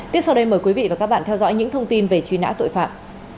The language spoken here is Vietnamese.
tiếp sau đây mời quý vị và các bạn theo dõi những thông tin về truy nã tội phạm